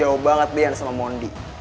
jauh banget bean sama mondi